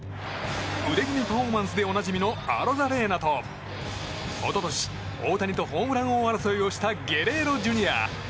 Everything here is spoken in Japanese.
腕組みパフォーマンスでおなじみのアロザレーナと一昨年、大谷とホームラン王争いをしたゲレーロＪｒ．。